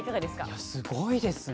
いやすごいですね。